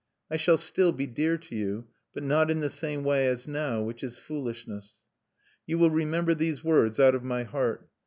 I shall still be dear to you, but not in the same way as now which is foolishness. You will remember these words out of my heart.